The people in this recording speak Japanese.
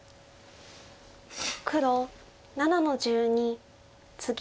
黒７の十二ツギ。